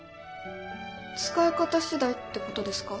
使い方次第ってことですか？